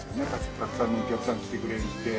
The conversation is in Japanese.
たくさんのお客さん来てくれるって。